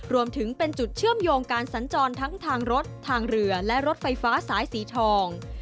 รวมถึงเป็นจุดเชื่อมโยงการสัญจรทั้งทางรถทางเรือและรถไฟฟ้าสายสีทอง